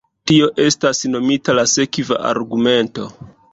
Tio estas nomita la sekva argumento.